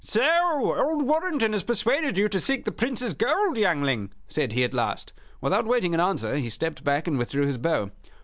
"So old Warrenton has persuaded you to seek the Prince's gold, youngling?" said he, at last. Without waiting an answer, he stepped back and withdrew his bow.